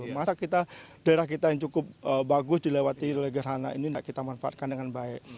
masa kita daerah kita yang cukup bagus dilewati oleh gerhana ini tidak kita manfaatkan dengan baik